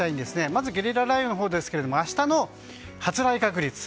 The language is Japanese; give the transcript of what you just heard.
まずゲリラ雷雨のほうですが明日の発雷確率。